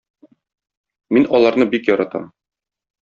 Мин аларны бик яратам.